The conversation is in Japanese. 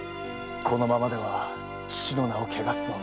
このままでは父の名を汚すのみ。